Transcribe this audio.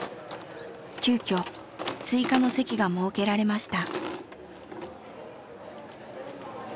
急遽追加の席が設けられました。